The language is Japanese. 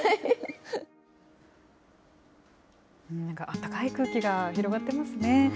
なんか温かい空気が広がってますね。